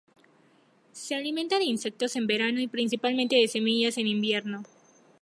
Se alimentan de insectos en verano y principalmente de semillas en invierno.